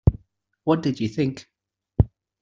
What did you think?